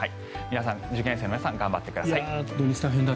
受験生の皆さん頑張ってください。